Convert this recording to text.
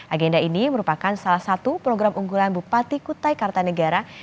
agenda ini merupakan salah satu program unggulan bupati kutai kartanegara